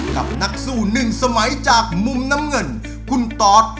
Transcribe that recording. กับนักสู้หนึ่งสมัยจากมุมน้ำเงินคุณตอด